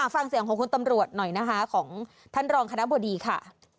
ฟังเสียงของคุณตำรวจหน่อยนะคะของท่านรองคณะบดีค่ะ